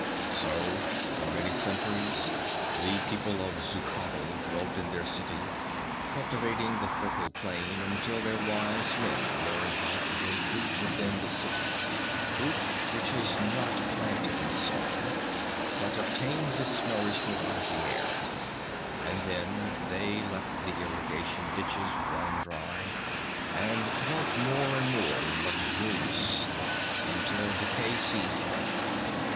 "So for many centuries the people of Xuchotl dwelt in their city, cultivating the fertile plain, until their wise men learned how to grow fruit within the city fruit which is not planted in soil, but obtains its nourishment out of the air and then they let the irrigation ditches run dry, and dwelt more and more in luxurious sloth, until decay seized them.